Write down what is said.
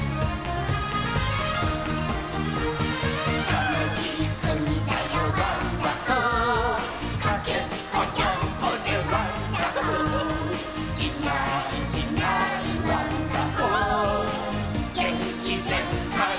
「たのしいくにだよワンダホー」「かけっこジャンプでワンダホー」「いないいないワンダホー」「げんきぜんかい」